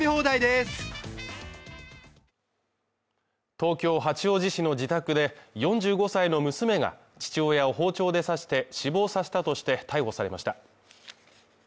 東京八王子市の自宅で、４５歳の娘が父親を包丁で刺して死亡させたとして逮捕されました。